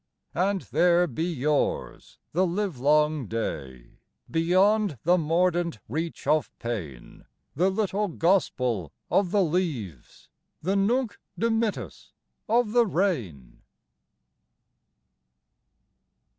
And there be yours, the livelong day, Beyond the mordant reach of pain, The little gospel of the leaves, The Nunc dimittis of the rain!